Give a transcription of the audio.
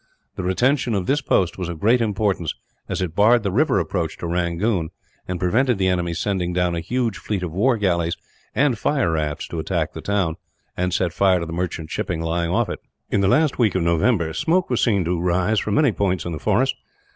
The retention of this post was of great importance, as it barred the river approach to Rangoon, and prevented the enemy sending down a huge fleet of war galleys and fire rafts to attack the town, and set fire to the merchant shipping lying off it. In the last week of November, smoke was seen to rise from many points in the forest.